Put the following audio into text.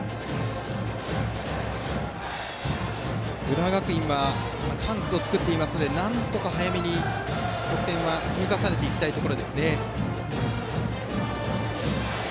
浦和学院はチャンスを作っていますのでなんとか、早めに得点を積み重ねていきたいところです。